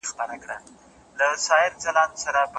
نن مي د عمر په محراب کي بتخانه لګېږې